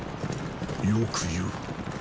よく言う。